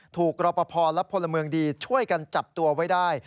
รอปภและพลเมืองดีช่วยกันจับตัวไว้ได้